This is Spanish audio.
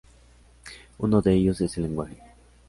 Uno de ellos es el lenguaje.